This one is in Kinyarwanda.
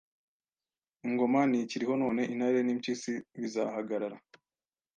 Ingoma ntikiriho none intare nimpyisi bizahagarara